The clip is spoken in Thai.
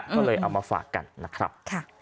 ก็เลยเอามาฝากกันนะครับ